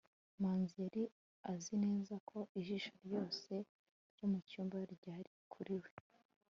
manzi yari azi neza ko ijisho ryose ryo mucyumba ryari kuri we